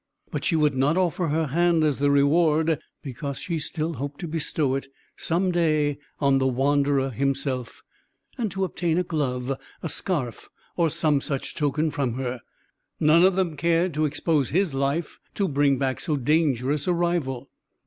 But she would not offer her hand as the reward, because she still hoped to bestow it some day on the wanderer himself; and to obtain a glove, a scarf, or some such token from her, none of them cared to expose his life to bring back so dangerous a rival.